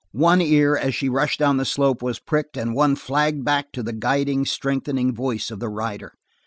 One ear, as she rushed down the slope, was pricked and one flagged back to the guiding, strengthening voice of the rider.